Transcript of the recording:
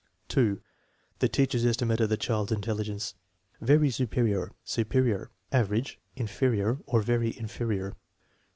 %. The teacher's estimate of the child's intelligence (very su perior, superior, average, inferior, or very inferior).